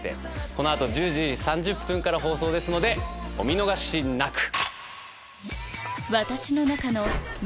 この後１０時３０分から放送ですのでお見逃しなく！